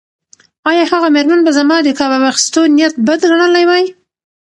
ایا هغه مېرمن به زما د کباب اخیستو نیت بد ګڼلی وای؟